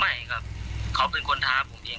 ไม่ครับเขาเป็นคนท้าผมเอง